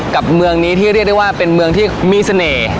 กับเมืองนี้ที่เรียกได้ว่าเป็นเมืองที่มีเสน่ห์